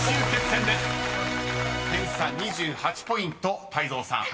［点差２８ポイント泰造さん］